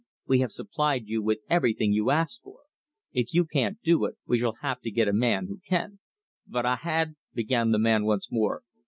We have supplied you with everything you asked for. If you can't do it, we shall have to get a man who can." "But I had " began the man once more.